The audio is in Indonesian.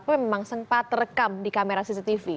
memang sempat terekam di kamera cctv